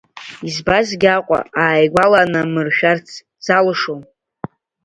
Избазгьы Аҟәа ааигәаланамыршәарц залшом.